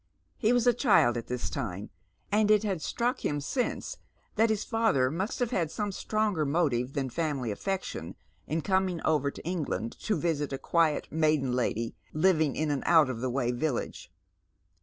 He was a child at this time, and it had struck him since that his father must have had some stronger motive than family affection in coming over to England to visit a quiet maiden lady, living in an out of the way village.